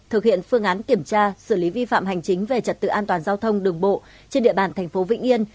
thực hiện phương án kiểm tra xử lý vi phạm hành chính về trật tự an toàn giao thông đường bộ trên địa bàn thành phố vĩnh yên